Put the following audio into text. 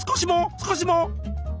少しも？